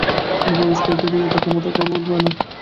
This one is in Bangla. অনুপ্রবেশকারীদর ইউতা ক্ষমা করবে না।